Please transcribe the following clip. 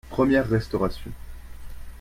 Première restauration.